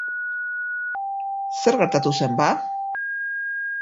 Zer gertatuko zen, ba?